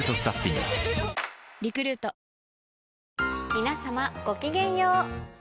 皆さまごきげんよう。